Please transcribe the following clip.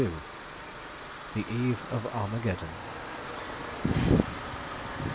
THE EVE OF ARMAGEDDON.